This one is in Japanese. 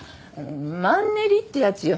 マンネリってやつよ。